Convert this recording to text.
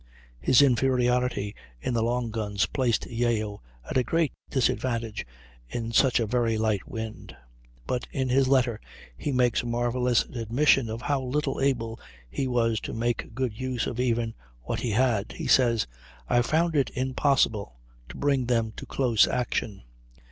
His inferiority in the long guns placed Yeo at a great disadvantage in such a very light wind; but in his letter he makes a marvellous admission of how little able he was to make good use of even what he had. He says: "I found it impossible to bring them to close action.